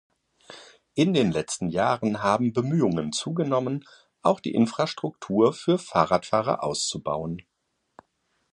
In den letzten Jahren haben Bemühungen zugenommen, auch die Infrastruktur für Fahrradfahrer auszubauen.